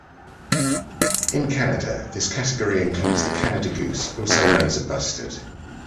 In Canada, this category includes the Canada Goose, also known as a bustard.